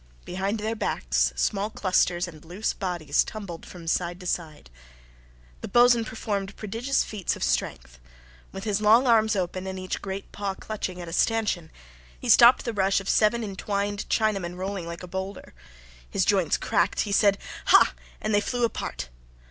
Behind their backs small clusters and loose bodies tumbled from side to side. The boatswain performed prodigious feats of strength. With his long arms open, and each great paw clutching at a stanchion, he stopped the rush of seven entwined Chinamen rolling like a boulder. His joints cracked; he said, "Ha!" and they flew apart.